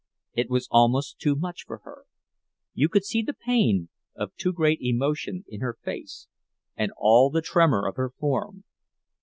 It was almost too much for her—you could see the pain of too great emotion in her face, and all the tremor of her form.